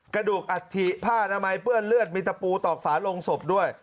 กระดูกอัฐิผ้านามัยเปื้อนเลือดมีตะปูตอกฝาลงศพด้วย